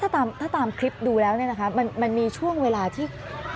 ถ้าตามคลิปดูแล้วเนี่ยนะคะมันมีช่วงเวลาที่